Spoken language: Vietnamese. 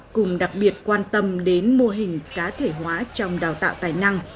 những phụ huynh đặc biệt quan tâm đến mô hình cá thể hóa trong đào tạo tài năng